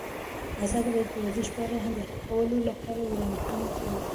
ازادي راډیو د ورزش په اړه د حل کولو لپاره وړاندیزونه کړي.